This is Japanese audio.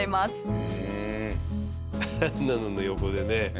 あんなのの横でね。